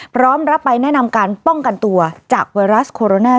พร้อมรับไปแนะนำการป้องกันตัวจากไวรัสโคโรนา